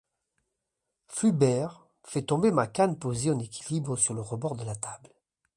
Fulbert fait tomber ma canne posée en équilibre sur le rebord de la table.